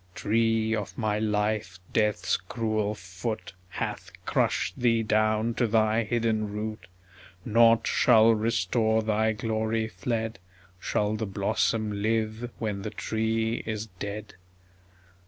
Tree of my life, Death's cruel foot Hath crushed thee down to thy hidden root; Nought shall restore thy glory fled ... Shall the blossom live when the tree is dead?